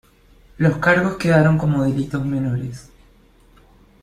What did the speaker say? Los cargos quedaron como delitos menores.